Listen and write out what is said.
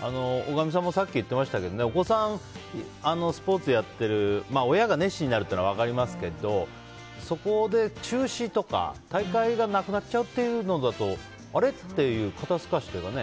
大神さんもさっきおっしゃっていましたけどお子さんがスポーツをやっている親が熱心になるのは分かりますけど、そこで中止とか大会がなくなっちゃうというとあれ？っていう肩透かしというかね。